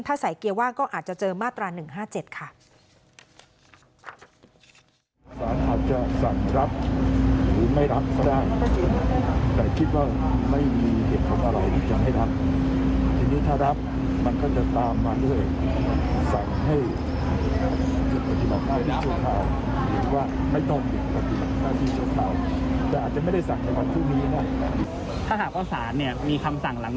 ถ้าใส่เกียร์ว่างก็อาจจะเจอมาตรา๑๕๗ค่ะ